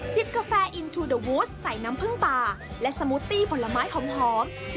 กาแฟอินทูเดอร์วูสใส่น้ำผึ้งป่าและสมูตตี้ผลไม้หอม